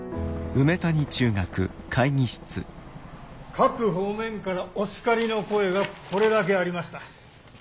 各方面からお叱りの声がこれだけありました。